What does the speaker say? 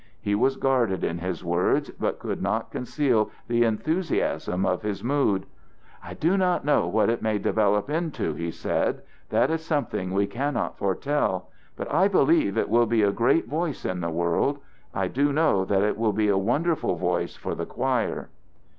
He was guarded in his words but could not conceal the enthusiasm of his mood. "I do not know what it may develop into," he said, "that is something we cannot foretell, but I believe it will be a great voice in the world. I do know that it will be a wonderful voice for the choir."